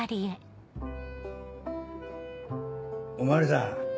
お巡りさん